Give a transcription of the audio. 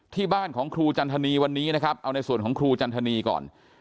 ที่บ้านของครูจันทนีวันนี้นะครับเอาในส่วนของครูจันทนีก่อน